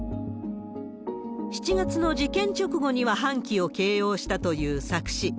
７月の事件直後には半旗を掲揚したという佐久市。